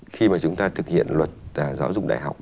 khi mà chúng ta thực hiện luật giáo dục đại học